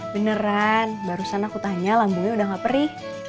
beneran barusan aku tanya lambunya udah gak perih